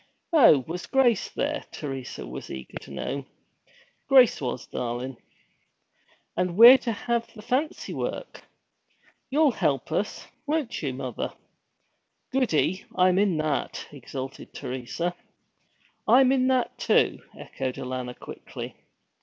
'Oh, was Grace there?' Teresa was eager to know. 'Grace was, darlin'.' 'And we're to have the fancy work! You'll help us, won't you, mother? Goody I'm in that!' exulted Teresa. 'I'm in that, too!' echoed Alanna quickly.